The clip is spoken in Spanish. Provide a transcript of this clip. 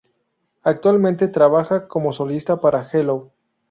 Actualmente trabaja como solista para Hello!